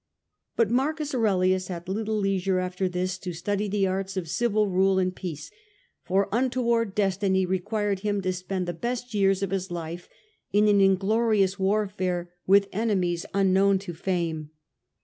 But Marcus Aurelius had little leisure after this to study the arts of civil rule in peace, for untoward destiny required him to spend the best years of cailed^way his life in an inglorious warfare with enemies duSertothe unknown to fame.